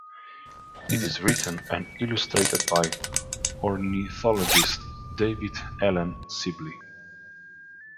It is written and illustrated by ornithologist David Allen Sibley.